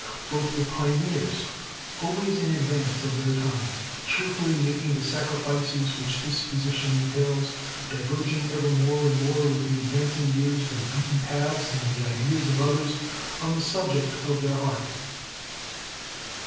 Both were pioneers, always in advance of their time, cheerfully making the sacrifices which this position entails, diverging ever more and more with advancing years from beaten paths and the ideas of others on the subject of their art.